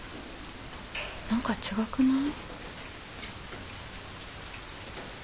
何か違くない？